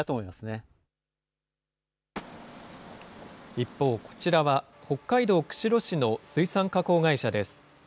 一方、こちらは北海道釧路市の水産加工会社です。